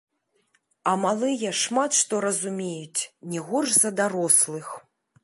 А малыя шмат што разумеюць не горш за дарослых.